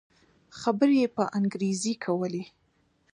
خبرې يې په انګريزي کولې.